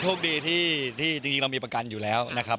โชคดีที่จริงเรามีประกันอยู่แล้วนะครับ